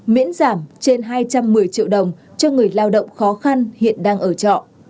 miễn giảm trên hai trăm một mươi triệu đồng cho người lao động khó khăn hiện đang ở trọ